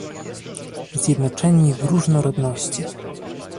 "Zjednoczeni w różnorodności"